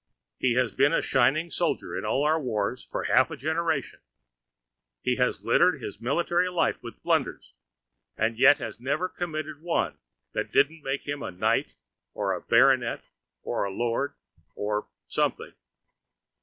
He has been a shining soldier in all our wars for half a generation; he has littered his military life with blunders, and yet has never committed one that didn't make him a knight or a baronet or a lord or something.